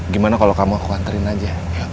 gimana kalo kamu aku anterin aja